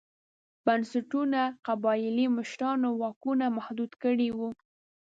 بنسټونو قبایلي مشرانو واکونه محدود کړي وو.